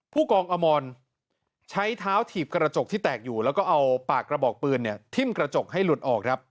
ผู้กองอมรใช้เท้าถีบกระจกที่แตกอยู่แล้วก็เอาปากกระบอกปืนทิ้มกระจกให้หลุดออกครับ